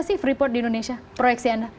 sih pripot di indonesia proyeksi anda